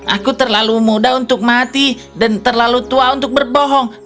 aku terlalu muda untuk mati dan terlalu tua untuk berbohong